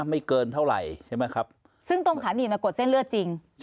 ไม่เกินเท่าไหร่ใช่ไหมครับซึ่งตรงขาหนีบน่ะกดเส้นเลือดจริง